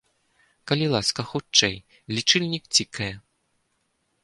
Калі ласка, хутчэй, лічыльнік цікае!